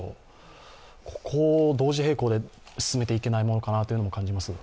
ここを同時並行で進めていけないものかなとも感じます。